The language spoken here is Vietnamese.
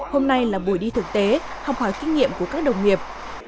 hôm nay là buổi đi thực tế học hỏi kinh nghiệm của các đồng nghiệp